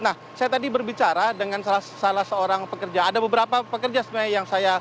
nah saya tadi berbicara dengan salah seorang pekerja ada beberapa pekerja sebenarnya yang saya